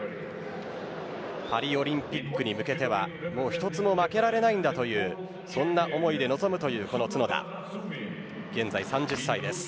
パリオリンピックに向けては１つも負けられないんだというそんな思いで臨んでいる角田です。